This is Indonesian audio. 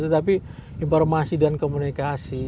tapi informasi dan komunikasi